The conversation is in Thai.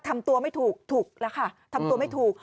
ทำตัวไม่ถูกถูกแล้วค่ะทำตัวไม่ถูก